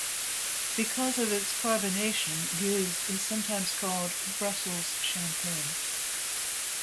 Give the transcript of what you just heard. Because of its carbonation, gueuze is sometimes called "Brussels Champagne".